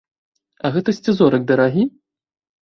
А гэты сцізорык дарагі?